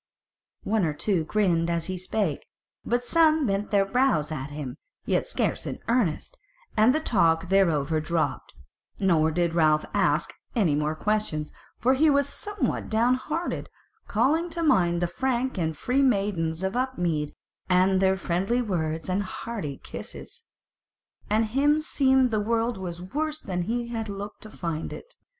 One or two grinned as he spake, but some bent their brows at him, yet scarce in earnest, and the talk thereover dropped, nor did Ralph ask any more questions; for he was somewhat down hearted, calling to mind the frank and free maidens of Upmead, and their friendly words and hearty kisses. And him seemed the world was worse than he had looked to find it.